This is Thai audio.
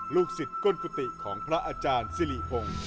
ลูกศิษย์ก้นกุฏิของพระอาจารย์สิริพงศ์